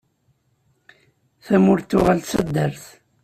Tamurt tuɣal d taddart.